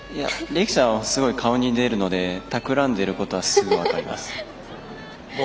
璃来ちゃんすぐ顔に出るのでたくらんでることはすぐ分かります。